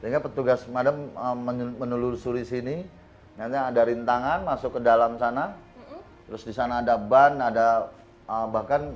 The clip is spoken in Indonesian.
sehingga petugas pemadam menelusuri sini nanti ada rintangan masuk ke dalam sana terus di sana ada ban ada bahkan